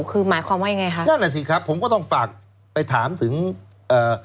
คือหมายความว่ายังไงคะนั่นแหละสิครับผมก็ต้องฝากไปถามถึงเอ่อ